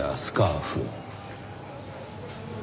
スカーフ。